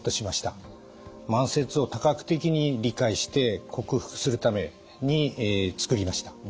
慢性痛を多角的に理解して克服するために作りました。